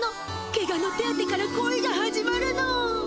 ケガの手当てから恋が始まるの。